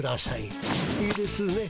いいですね。